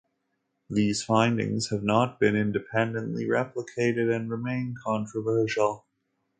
These findings have not been independently replicated and remain controversial.